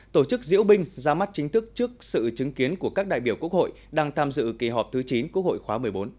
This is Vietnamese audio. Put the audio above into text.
tổ chức diễu binh ra mắt chính thức trước sự chứng kiến của các đại biểu quốc hội đang tham dự kỳ họp thứ chín quốc hội khóa một mươi bốn